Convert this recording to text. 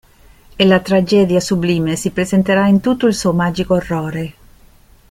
E la tragedia sublime si presenterà in tutto il suo magico orrore.